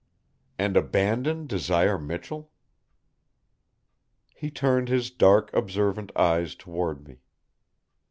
"And abandon Desire Michell?" He turned his dark observant eyes toward me.